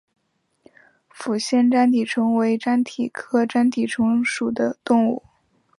抚仙粘体虫为粘体科粘体虫属的动物。